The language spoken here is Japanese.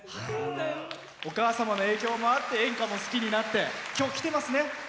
お母様の影響もあって演歌も好きになって今日、来てますね。